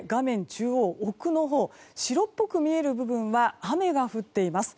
中央、奥のほう白っぽく見える部分は雨が降っています。